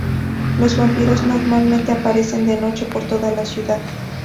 Los vampiros normalmente aparecen de noche por toda la ciudad.